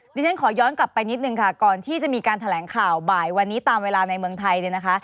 ดิฉันขอย้อนกลับไปนิดนึงค่ะก่อนที่จะมีการแถลงข่าวบ่ายวันนี้ตามเวลาในเมืองไทยเนี่ยนะคะ